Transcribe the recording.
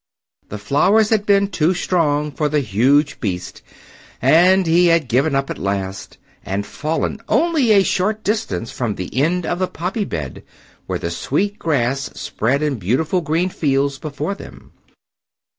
The flowers had been too strong for the huge beast and he had given up at last, and fallen only a short distance from the end of the poppy bed, where the sweet grass spread in beautiful green fields before them.